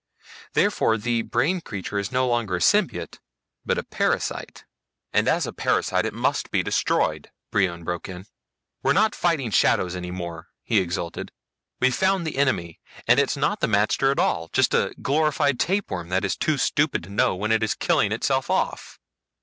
Therefore the brain creature is no longer a symbiote but a parasite." "And as a parasite it must be destroyed!" Brion broke in. "We're not fighting shadows any more," he exulted. "We've found the enemy and it's not the magter at all. Just a sort of glorified tapeworm that is too stupid to know when it is killing itself off.